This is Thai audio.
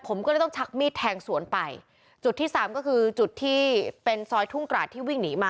ผมก็เลยต้องชักมีดแทงสวนไปจุดที่สามก็คือจุดที่เป็นซอยทุ่งกราดที่วิ่งหนีมา